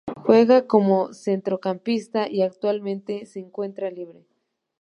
Juega como centrocampista y actualmente se encuentra libre.